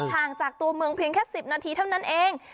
ห่างจากตัวเมืองเพียงแค่๑๐นาทีเท่านั้นเอง